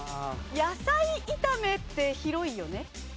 野菜炒めって広いよね？